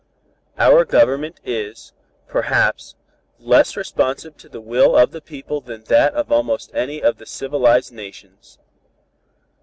Our Government is, perhaps, less responsive to the will of the people than that of almost any of the civilized nations.